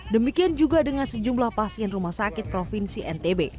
demikian juga dengan sejumlah pasien rumah sakit provinsi ntb